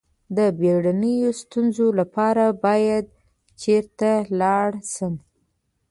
د بیړنیو ستونزو لپاره باید چیرته لاړ شم؟